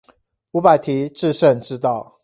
五百題致勝之道